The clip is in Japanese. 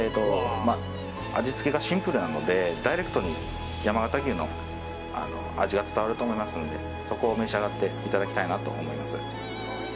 味付けがシンプルなのでダイレクトに山形牛の味が伝わると思いますのでそこを召し上がっていただきたいなと思います。